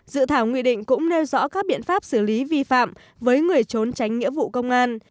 dự thảo nghị định cũng nêu rõ các biện pháp xử lý vi phạm với người trốn tránh nghĩa vụ công an